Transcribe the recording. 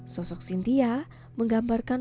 sosok sintia menggambarkan